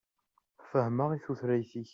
Fehhmeɣ i tutlayt-ik.